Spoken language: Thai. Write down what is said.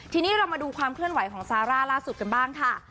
ทีนี้เรามาดูความเคลื่อนไหวของซาร่าล่าสุดกันบ้างค่ะ